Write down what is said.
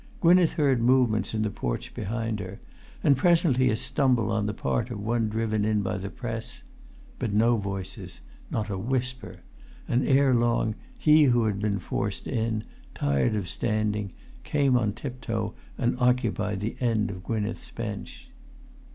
Gwynneth heard movements in the porch behind her, and presently a stumble on the part of one driven in by the press; but no voices; not a whisper; and ere long he who had been forced in, tired of standing, came on tiptoe and occupied the end of Gwynneth's bench.